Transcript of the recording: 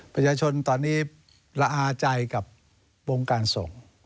ประชาชนตอนนี้ละอาใจกับวงการส่ง